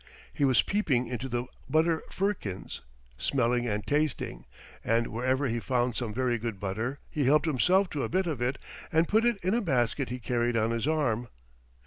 He was peeping into the butter firkins, smelling and tasting, and wherever he found some very good butter he helped himself to a bit of it and put it in a basket he carried on his arm.